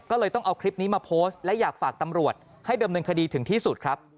ก็เลยต้องเอาคลิปนี้มาโพสต์และอยากฝากตำรวจให้ดำเนินคดีถึงที่สุดครับ